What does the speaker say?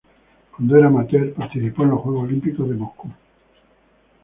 Cuando era amateur participó a los Juegos Olímpicos de Moscú.